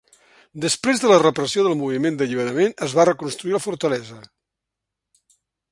Després de la repressió del moviment d'alliberament es va reconstruir la fortalesa.